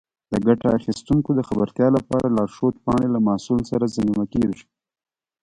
د ګټه اخیستونکو د خبرتیا لپاره لارښود پاڼې له محصول سره ضمیمه کېږي.